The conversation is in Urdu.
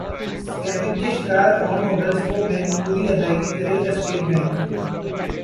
اسکمنگ کے شکار اکانٹ ہولڈرز کو بینک پوری ادائیگی کرے اسٹیٹ بینک